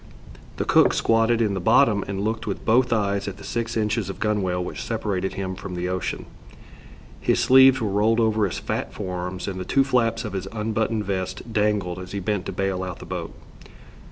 The cook squatted in the bottom and looked with both eyes at the six inches of gunwale which separated him from the ocean. His sleeves were rolled over his fat forearms, and the two flaps of his unbuttoned vest dangled as he bent to bail out the boat.